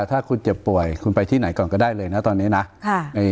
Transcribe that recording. ถ้าคุณเจ็บป่วยคุณไปที่ไหนก่อนก็ได้เลยนะตอนนี้นะค่ะ